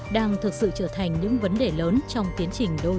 đang thực sự trở thành những vấn đề lớn trong tiến trình đô thị